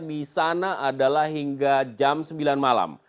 di sana adalah hingga jam sembilan malam